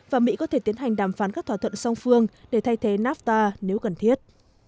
và mỹ có thể tiến hành đàm phán các thỏa thuận song phương để thay thế nafta nếu cần thiết